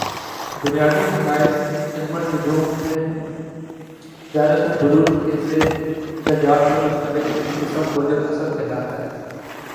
بنیادی حقائق علم نجوم میں دائرۃ البروج کے سے درجات پر مشمل قسم برج اسد کہلاتا ہے